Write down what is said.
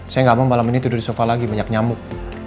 saya nggak mau malam ini tidur di sofa lagi banyak nyamuk